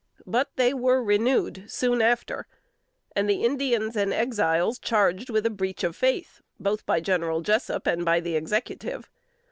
But they were renewed soon after, and the Indians and Exiles charged with a breach of faith, both by General Jessup and by the Executive.